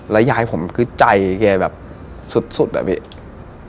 ยายผมคือใจแกแบบสุดอะพี่